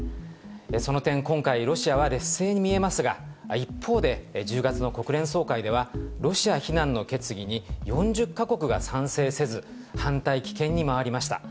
その点、今回、ロシアは劣勢に見えますが、一方で、１０月の国連総会では、ロシア非難の決議に４０か国が賛成せず、反対、棄権に回りました。